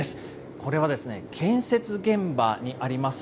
これはですね、建設現場にあります